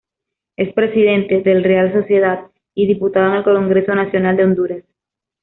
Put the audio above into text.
Es Presidente del Real Sociedad y diputado en el Congreso Nacional de Honduras.